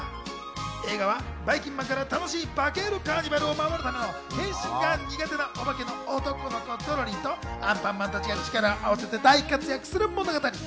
映画は、ばいきんまんから楽しいバケールカーニバルを守るため変身が苦手なオバケの男の子・ドロリンとアンパンマンたちが力を合わせて大活躍する物語。